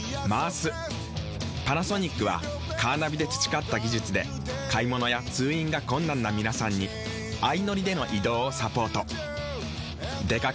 パナソニックはカーナビで培った技術で買物や通院が困難な皆さんに相乗りでの移動をサポート。